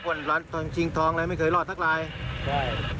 หมดผ่อนร้านทองชิงทองเนี้ยไม่เคยรอดทักลายใช่